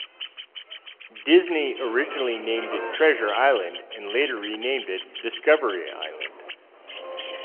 Disney originally named it "Treasure Island", and later renamed it, "Discovery Island".